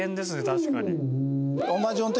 確かに。